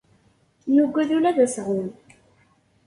Nuggad ula d aseɣwen.